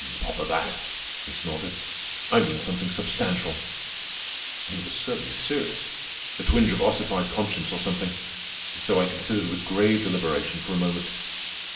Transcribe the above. "'Bother that!' he snorted. 'I mean something substantial.' "He was certainly serious—a twinge of ossified conscience or something; and so I considered with grave deliberation for a moment.